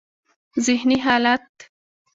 ذهني حالت: